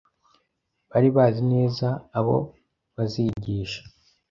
bari bazi neza abo bazigisha